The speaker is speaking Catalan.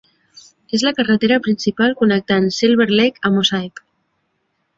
És la carretera principal connectant Silver Lake amb Ossipee.